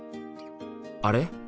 あれ？